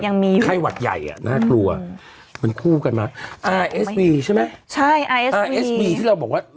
ยังมีไข้หวัดใหญ่อ่ะน่ากลัวมันคู่กันมากใช่ไหมใช่ที่เราบอกว่า